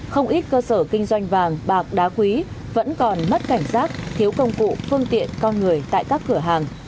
không ít cơ sở kinh doanh vàng bạc đá quý vẫn còn mất cảnh giác thiếu công cụ phương tiện con người tại các cửa hàng